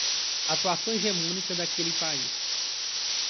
Atuação hegemônica daquele país